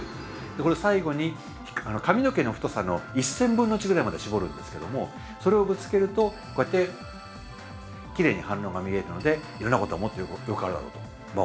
これ最後に髪の毛の太さの１，０００分の１ぐらいまで絞るんですけどそれをぶつけるとこうやってきれいに反応が見えるのでいろんなことがもっとよく分かるだろうと思ってるわけです。